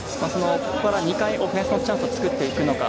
２回、オフェンスのチャンスを作っていくのか。